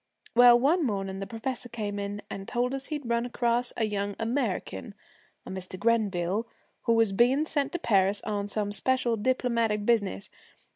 Well, one morning the professor came in and told us he'd run across a young American, a Mr. Grenville, who was being sent to Paris on some special diplomatic business.